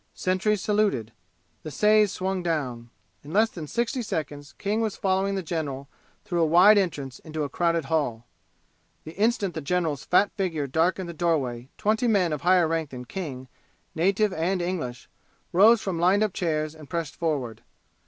Sentries saluted. The sais swung down. In less than sixty seconds King was following the general through a wide entrance into a crowded hall. The instant the general's fat figure darkened the doorway twenty men of higher rank than King, native and English, rose from lined up chairs and pressed forward.